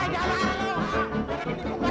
hei jangan lari